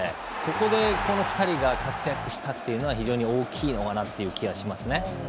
ここで、この２人が活躍したというのは非常に大きい気がしますね。